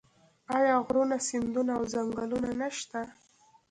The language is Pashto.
آیا غرونه سیندونه او ځنګلونه نشته؟